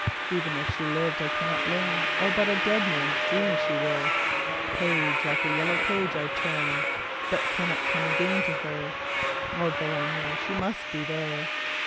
Even if she lived I cannot learn, Or but a dead man's dream she were; Page after yellow page I turn, But cannot come again to her, Although I know she must be there.